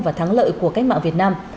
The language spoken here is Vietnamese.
và thắng lợi của cách mạng việt nam